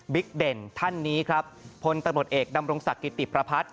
เด่นท่านนี้ครับพลตำรวจเอกดำรงศักดิติประพัฒน์